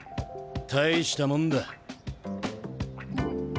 大したもんだ。